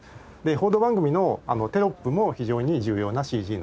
報道番組のテロップも非常に重要なＣＧの一つです。